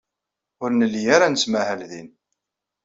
Ur nelli ara nettmahal din.